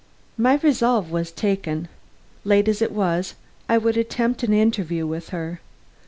My resolve was taken. Late as it was, I would attempt an interview with her.